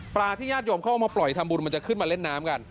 ที่ญาติโยมเขาเอามาปล่อยทำบุญมันจะขึ้นมาเล่นน้ำกัน